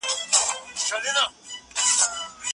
خوب د بدن او ذهن اړیکه پیاوړې کوي.